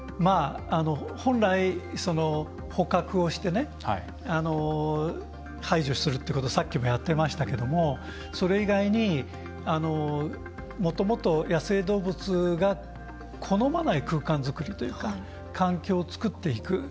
本来、捕獲をして排除するっていうことさっきもやってましたけどもそれ以外に、もともと野生動物が好まない空間作りというか環境を作っていく。